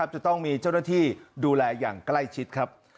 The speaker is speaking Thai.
จะต้องมีเจ้าหน้าที่ดูแลอย่างใกล้ชิดครับ